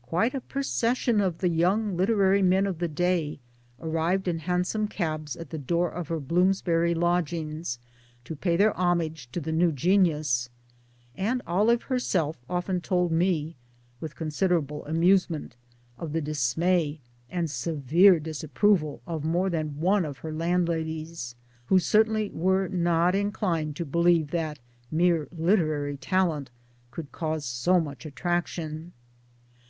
Quite a procession of the young literary men of the day arrived in hansom cabs at the door of her Blooms bury lodgings to pay their homage to the new genius, and Olive herself often told me with' considerable amusement of the dismay and 1 severe disapproval of more than one of her landladies, who certainly were not inclined to believe that mere literary talent could cause so much attraction